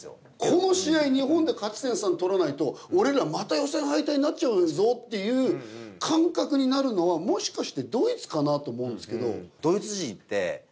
この試合日本で勝ち点３取らないと俺らまた予選敗退になっちゃうぞっていう感覚になるのはもしかしてドイツかなと思うんですけど。